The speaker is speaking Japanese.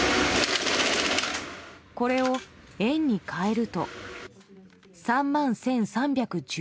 これを円に換えると３万１３１０円。